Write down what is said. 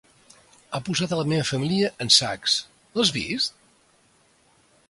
Ha posat a la meva família en sacs. L'has vist?